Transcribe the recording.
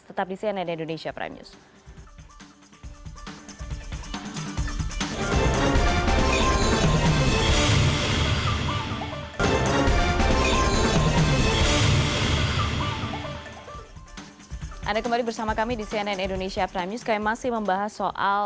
tetap di cnn indonesia prime news